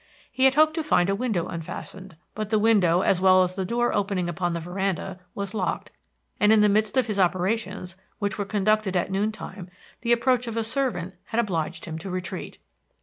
He had hoped to find a window unfastened; but the window, as well as the door opening upon the veranda, was locked, and in the midst of his operations, which were conducted at noon time, the approach of a servant had obliged him to retreat.